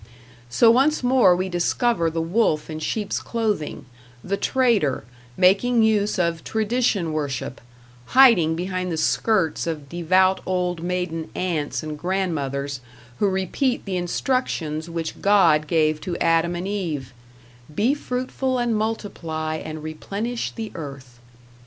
So once more we discover the wolf in sheep's clothing, the trader, making use of Tradition worship; hiding behind the skirts of devout old maiden aunts and grandmothers, who repeat the instructions which God gave to Adam and Eve, "Be fruitful and multiply and replenish the earth."